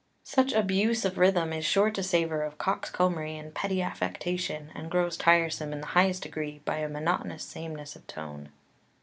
Such abuse of rhythm is sure to savour of coxcombry and petty affectation, and grows tiresome in the highest degree by a monotonous sameness of tone.